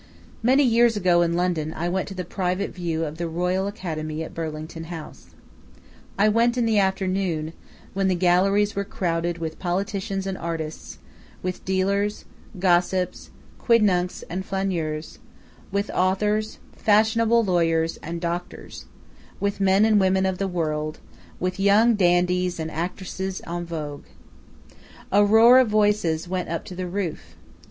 Many years ago in London I went to the private view of the Royal Academy at Burlington House. I went in the afternoon, when the galleries were crowded with politicians and artists, with dealers, gossips, quidnuncs, and flaneurs; with authors, fashionable lawyers, and doctors; with men and women of the world; with young dandies and actresses en vogue. A roar of voices went up to the roof.